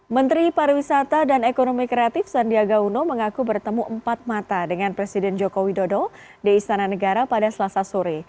menteri pariwisata dan ekonomi kreatif sandiaga uno mengaku bertemu empat mata dengan presiden joko widodo di istana negara pada selasa sore